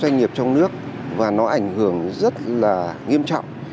doanh nghiệp trong nước và nó ảnh hưởng rất là nghiêm trọng